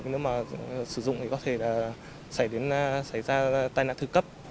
nếu mà sử dụng thì có thể xảy ra tai nạn thư cấp